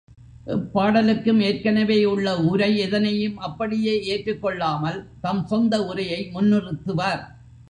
எப்பாடலுக்கும் ஏற்கனவே உள்ள உரை எதனையும் அப்படியே ஏற்றுக் கொள்ளாமல் தம் சொந்த உரையை முன்னிறுத்துவார்.